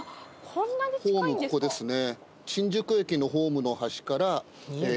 ホームここですね。